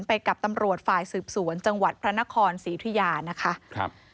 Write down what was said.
ไปกับตำรวจฝ่ายสืบสวนจังหวัดพระนครสีทุยา